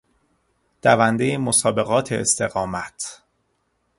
دوندهی مسابقات استقامت